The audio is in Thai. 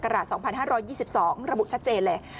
ระบุชัดเจนเลย